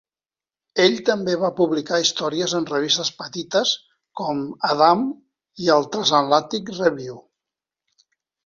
Ell també va publicar històries en revistes petites com "Adam" i el "Transatlantic Review".